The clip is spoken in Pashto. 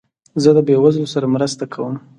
زه د بېوزلو سره مرسته کوم.